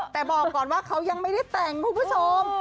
แต่บอกก่อนว่าเขายังไม่ได้แต่งคุณผู้ชม